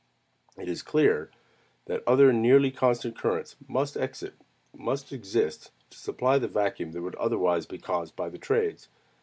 It is clear that other nearly constant currents must exist to supply the vacuum that would be otherwise caused by the trades.